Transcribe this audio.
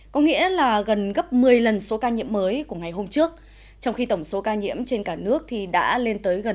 có nghĩa là gần gấp một mươi lần số ca nhiễm mới của ngày hôm trước trong khi tổng số ca nhiễm trên cả nước đã lên tới gần